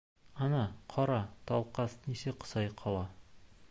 Ана, ҡара, Талҡаҫ нисек сайҡала!..